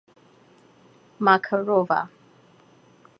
Makarova.